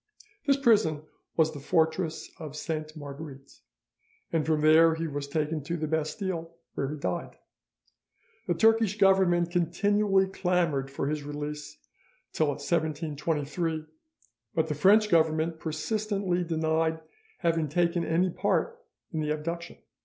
This prison was the fortress of Sainte Marguerite, and from there he was taken to the Bastille, where he died. The Turkish Government continually clamoured for his release till 1723, but the French Government persistently denied having taken any part in the abduction.